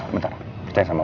oke gue pelan pelan ya